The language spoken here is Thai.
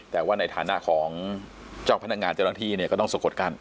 แต่ว่าในฐานะของเจ้าพนักงานเจ้าหน้าที่เนี่ยก็ต้องสะกดกั้น